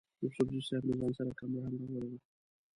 یوسفزي صیب له ځان سره کمره هم راوړې وه.